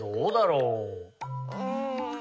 うん。